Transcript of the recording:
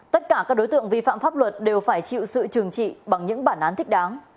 tất cả các đối tượng vi phạm pháp luật đều phải chịu sự trừng trị bằng những bản án thích đáng